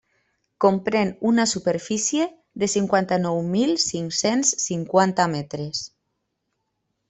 Comprèn una superfície de cinquanta-nou mil cinc-cents cinquanta metres.